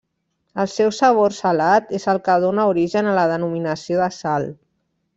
El seu sabor salat és el que dóna origen a la denominació de 'sal'.